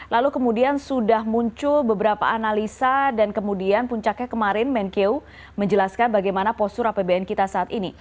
lalu kemudian sudah muncul beberapa analisa dan kemudian puncaknya kemarin menkeu menjelaskan bagaimana postur apbn kita saat ini